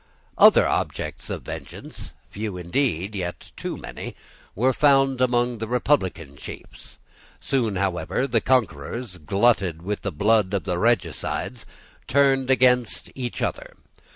Other objects of vengeance, few indeed, yet too many, were found among the republican chiefs. Soon, however, the conquerors, glutted with the blood of the regicides, turned against each other.